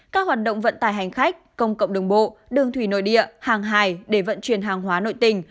các hoạt động vận tài hành khách công cộng đường bộ đường thủy nội địa hàng hài để vận chuyển hàng hóa nội tình